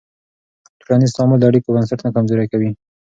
ټولنیز تعامل د اړیکو بنسټ نه کمزوری کوي.